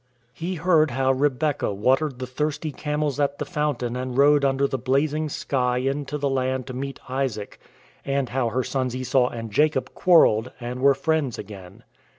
He heard how Rebekah watered the thirsty camels at the fountain and rode under the blazing sky into the land to meet Isaac, and how her sons Esau and Jacob quarrelled and were friends again.